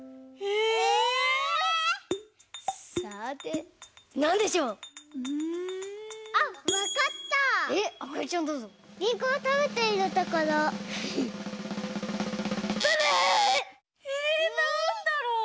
えなんだろう。